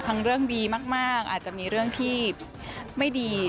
เรื่องดีมากอาจจะมีเรื่องที่ไม่ดี